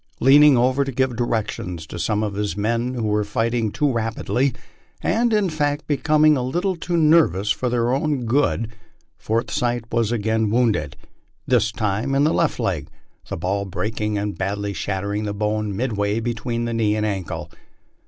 Leaning over to give directions to some of his men, who were firing too rapidly, and in fact becoming a little too nervous for their own good, Forsyth was again wounded, this time in the left leg, the ball breaking and badly shattering the bone midway between the knee and ankle.